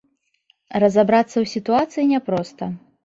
Разабрацца ў сітуацыі няпроста.